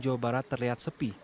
jawa barat terlihat sepi